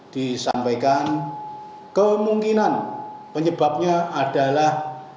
disampaikan kemungkinan penyebabnya adalah